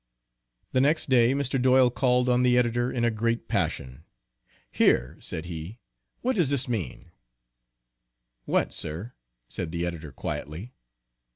The next day Mr. Doyle called on the editor in a great passion. "Here," said he, "what does this mean." "What, sir?" said the editor quietly.